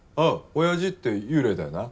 おやじって幽霊だよな？